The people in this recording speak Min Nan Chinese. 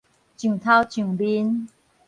上頭上面